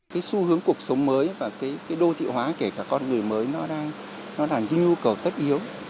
cái xu hướng cuộc sống mới và cái đô thị hóa kể cả con người mới nó đang nó là cái nhu cầu tất yếu